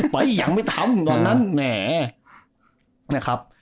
ไปอย่างไม่ทำตอนนั้นแหน่